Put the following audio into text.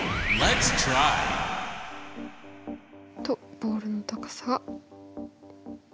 ボールの高さが。